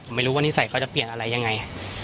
ผมไม่รู้ว่านิสัยเขาจะเปลี่ยนอะไรยังไง